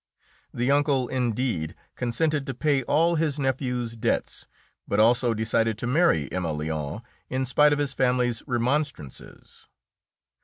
The uncle, indeed, consented to pay all his nephew's debts, but also decided to marry Emma Lyon in spite of his family's remonstrances.